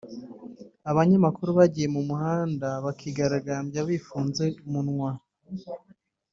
abanyamakuru bagiye mu mihanda bakigaragambya bifunze umunwa